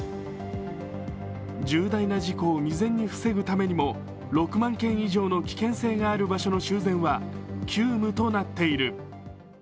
重大な事故を未然に防ぐためにも６万件以上の修繕は急務となっている。